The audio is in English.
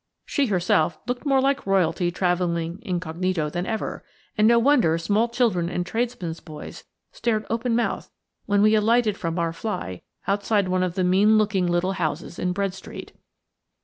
She herself looked more like Royalty travelling incognito than ever, and no wonder small children and tradesmen's boys stared open mouthed when we alighted from our fly outside one of the mean looking little houses in Bread Street.